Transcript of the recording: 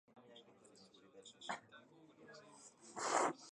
自然災害はいつ発生するかわからない。